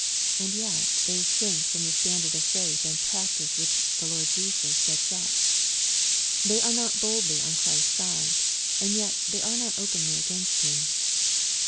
And yet they shrink from the standard of faith and practice which the Lord Jesus sets up. They are not boldly on Christ's side, and yet they are not openly against Him.